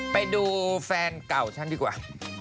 ไปดูแฟนเก่าฉันดีกว่า